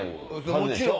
もちろん！